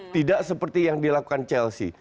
tidak seperti yang dilakukan chelsea